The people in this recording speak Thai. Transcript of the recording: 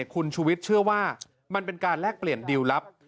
คุณชุวิตเชื่อว่ามันเป็นการแลกเปลี่ยนดีลลับ